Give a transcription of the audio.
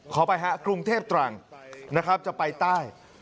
ไปฮะกรุงเทพตรังนะครับจะไปใต้